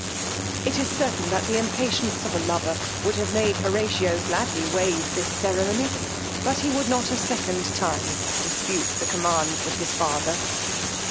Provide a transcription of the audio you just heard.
It is certain that the impatience of a lover would have made Horatio gladly wave this ceremony, but he would not a second time dispute the commands of such a father.